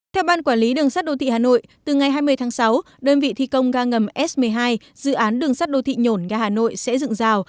theo ban quản lý đường sắt đô thị hà nội từ ngày hai mươi tháng sáu đơn vị thi công ga ngầm s một mươi hai dự án đường sắt đô thị nhổn ga hà nội sẽ dựng rào